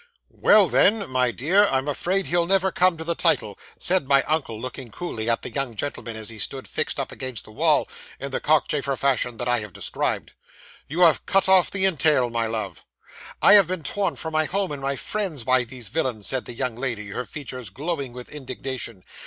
'"Well then, my dear, I'm afraid he'll never come to the title," said my uncle, looking coolly at the young gentleman as he stood fixed up against the wall, in the cockchafer fashion that I have described. "You have cut off the entail, my love." '"I have been torn from my home and my friends by these villains," said the young lady, her features glowing with indignation.